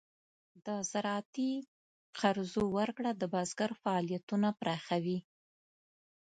د زراعتي قرضو ورکړه د بزګر فعالیتونه پراخوي.